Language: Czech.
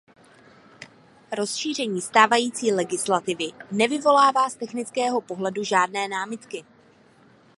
Rozšíření stávající legislativy nevyvolává z technického pohledu žádné námitky.